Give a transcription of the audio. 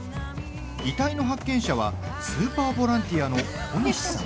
遺体の発見者はスーパーボランティアの小西さん。